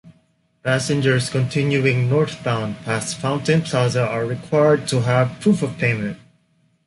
Passengers continuing northbound past Fountain Plaza are required to have proof-of-payment.